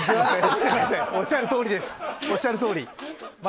おっしゃるとおりです。